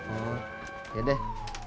oh ya deh